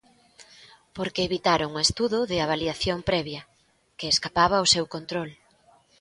Porque evitaron o estudo de avaliación previa, que escapaba ao seu control.